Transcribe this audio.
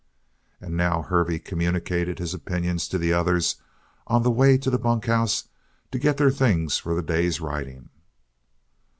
And now Hervey communicated his opinions to the others on the way to the bunkhouse to get their things for the day's riding.